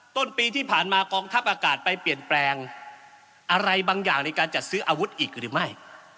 ต้นปีที่ผ่านมากองทัพอากาศไปเปลี่ยนแปลงอะไรบางอย่างในการจัดซื้ออาวุธอีกหรือไม่